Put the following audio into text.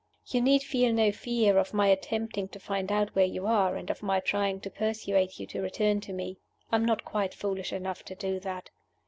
"You need feel no fear of my attempting to find out where you are, and of my trying to persuade you to return to me. I am not quite foolish enough to do that.